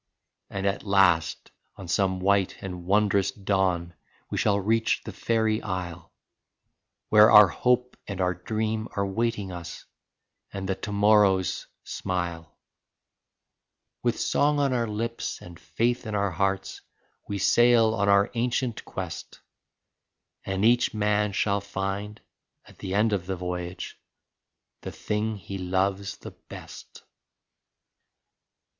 39 And at last, on some white and wondrous dawn, we shall reach the fairy isle Where our hope and our dream are waiting us, and the to morrows smile; With song on our lips and faith in our hearts we sail on our ancient quest, And each man shall find, at the end of the voyage, the thing he loves the best.